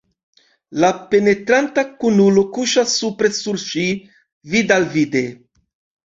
La penetranta kunulo kuŝas supre super ŝi, vid-al-vide.